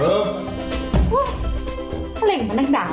เฮ้ออุ๊ยเหล่งเหมือนนางดาวอ่ะ